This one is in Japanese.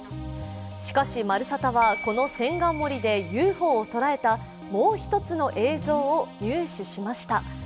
しかし、「まるサタ」はこの千貫森でＵＦＯを捉えたもう一つの映像を入手しました。